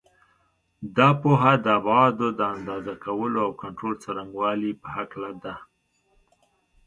دا پوهه د ابعادو د اندازه کولو او کنټرول څرنګوالي په هکله ده.